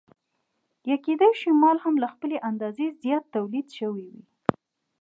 یا کېدای شي مال له خپلې اندازې زیات تولید شوی وي